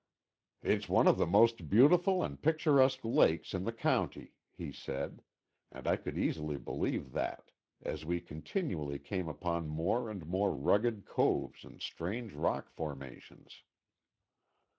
"It's one of the most beautiful and picturesque lakes in the county," he said, and I could easily believe that, as we continually came upon more and more rugged coves and strange rock formations.